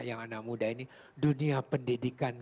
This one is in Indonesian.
yang anak muda ini dunia pendidikan